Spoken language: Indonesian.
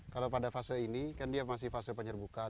kalau pada fase ini kan dia masih fase penyerbukan